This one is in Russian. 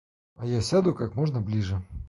А я сяду как можно ближе.